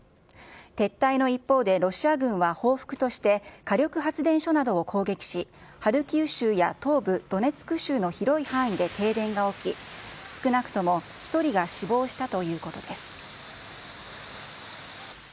撤退の一方でロシア軍は報復として、火力発電所などを攻撃し、ハルキウ州や東部ドネツク州の広い範囲で停電が起き、少なくとも１人が死亡したということです。